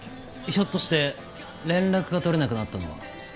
ひょっとして連絡が取れなくなったのは。